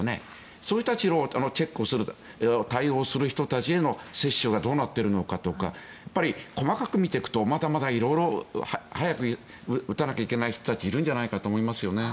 そういう人たちの対応をする人たちへの接種はどうなっているのかとか細かく見ていくとまだまだ色々早く打たなきゃいけない人たちいるんじゃないかと思いますよね。